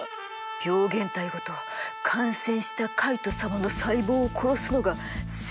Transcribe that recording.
病原体ごと感染したカイト様の細胞を殺すのが拙者のお役目。